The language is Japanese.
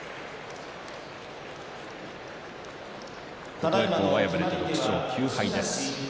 琴恵光は敗れて６勝９敗です。